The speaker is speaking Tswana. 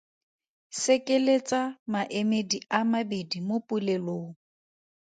Sekeletsa maemedi a mabedi mo polelong.